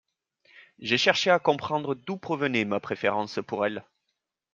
J’ai cherché à comprendre d’où provenait ma préférence pour elle.